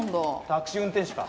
タクシー運転手か？